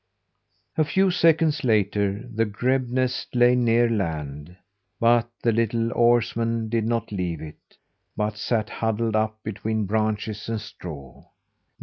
A few seconds later the grebe nest lay near land, but the little oarsman did not leave it, but sat huddled up between branches and straw.